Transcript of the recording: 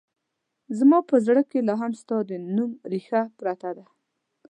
زما په زړه کې لا هم ستا د نوم رېښه پرته ده